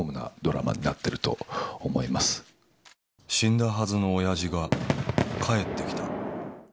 死んだはずのおやじが帰ってきた。